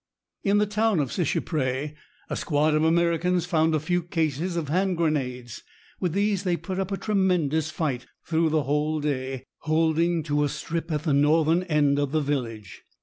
In the town of Seicheprey a squad of Americans found a few cases of hand grenades. With these they put up a tremendous fight through the whole day, holding to a strip at the northern end of the village.